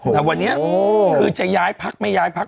แต่วันนี้คือจะย้ายพักไม่ย้ายพัก